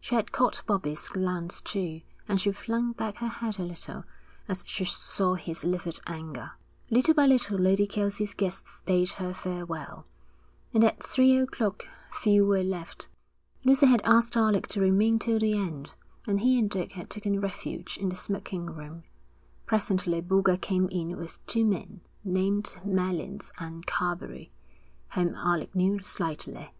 She had caught Bobbie's glance, too, and she flung back her head a little as she saw his livid anger. Little by little Lady Kelsey's guests bade her farewell, and at three o'clock few were left. Lucy had asked Alec to remain till the end, and he and Dick had taken refuge in the smoking room. Presently Boulger came in with two men, named Mallins and Carbery, whom Alec knew slightly.